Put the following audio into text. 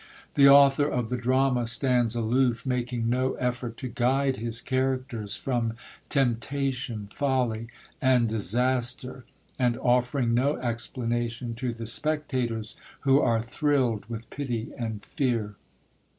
The author of the drama stands aloof, making no effort to guide his characters from temptation, folly, and disaster, and offering no explanation to the spectators, who are thrilled with pity and fear.